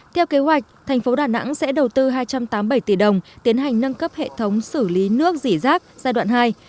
theo kế hoạch thành phố đà nẵng sẽ đầu tư hai trăm tám mươi bảy tỷ đồng tiến hành nâng cấp hệ thống xử lý nước dỉ rác giai đoạn hai